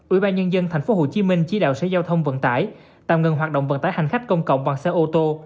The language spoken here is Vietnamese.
ủy ban nhân dân thành phố hồ chí minh chỉ đạo xe giao thông vận tải tạm ngừng hoạt động vận tải hành khách công cộng bằng xe ô tô